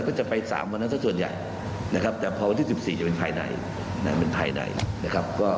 คือหมายถึงว่าวันที่หนึ่งที่สองที่สาม